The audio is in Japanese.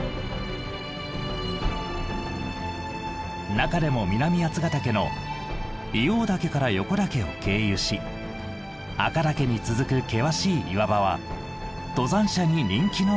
中でも南八ヶ岳の硫黄岳から横岳を経由し赤岳に続く険しい岩場は登山者に人気の稜線です。